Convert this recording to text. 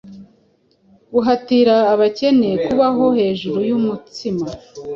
Guhatira abakene kubaho hejuru yumutsima,